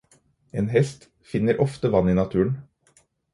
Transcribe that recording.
En hest finner ofte vann i naturen